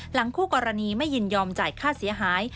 คู่กรณีไม่ยินยอมจ่ายค่าเสียหาย